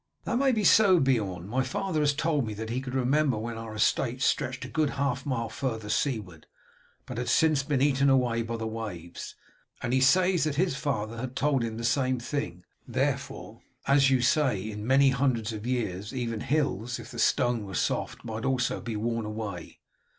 "That may be so, Beorn. My father has told me that he could remember when our estates stretched a good half mile farther seaward, but had since been eaten away by the waves, and he says that his father had told him the same thing; therefore, as you say, in many hundreds of years even hills, if the stone were soft, might also be worn away.